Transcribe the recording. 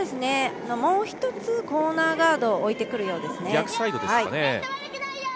もう一つ、コーナーガードを置いてくるようですね。